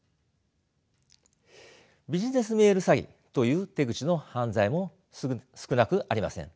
ビジネスメール詐欺という手口の犯罪も少なくありません。